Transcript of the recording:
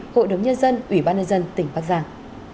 hội đồng nhân dân ủy ban nhân dân tỉnh bắc giang